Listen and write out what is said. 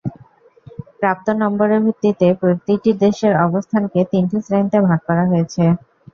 প্রাপ্ত নম্বরের ভিত্তিতে প্রতিটি দেশের অবস্থানকে তিনটি শ্রেণিতে ভাগ করা হয়েছে।